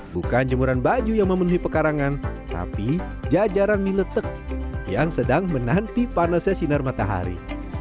bukan jemuran baju yang memenuhi pekarangan tapi jajaran mie letek yang sedang menanti panasnya sinar matahari